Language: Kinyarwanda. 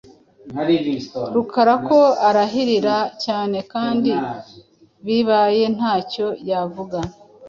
Rukara ko arahira cyane kandi bibaye ntacyo yavuga.